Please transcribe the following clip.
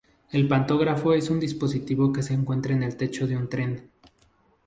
El pantógrafo es un dispositivo que se encuentra en el techo de un tren.